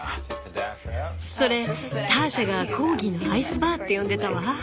それターシャがコーギーのアイスバーって呼んでたわ。